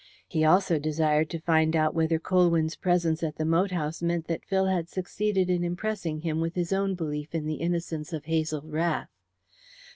He also desired to find out whether Colwyn's presence at the moat house meant that Phil had succeeded in impressing him with his own belief in the innocence of Hazel Rath.